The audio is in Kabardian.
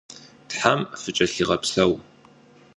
Тхьэм фыкӏэлъигъэпсэу.